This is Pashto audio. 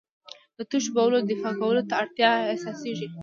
د تشو بولو دفع کولو ته اړتیا احساسېږي.